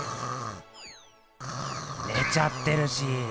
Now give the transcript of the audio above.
ねちゃってるし！